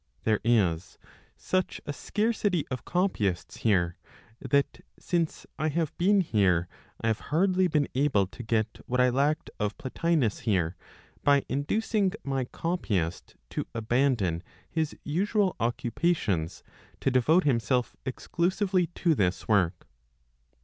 There is such a scarcity of copyists here, that since I have been here I have hardly been able to get what I lacked of Plotinos here, by inducing my copyist to abandon his usual occupations to devote himself exclusively to this work.